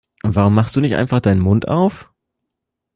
Warum machst du nicht einfach deinen Mund auf?